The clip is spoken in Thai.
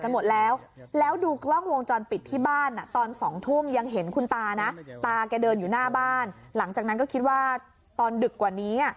หลังจากนั้นก็คิดว่าตอนดึกกว่านี้